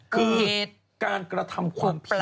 คือการกระทำความผิด